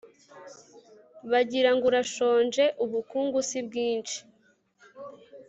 Bagira ngo urashonjeUbukungu si bwinshi.